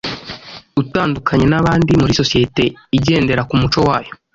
utandukanye n’abandi muri sosiyete igendera ku muco wayo